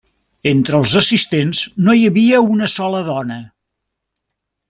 Entre els assistents no hi havia una sola dona.